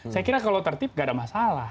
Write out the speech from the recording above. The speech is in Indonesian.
saya kira kalau tertib gak ada masalah